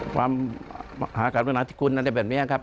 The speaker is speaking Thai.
ความหาการพลังงานที่คุณอะไรแบบนี้ครับ